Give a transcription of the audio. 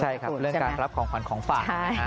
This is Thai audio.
ใช่ค่ะเรื่องการรับของขวัญของฝ่า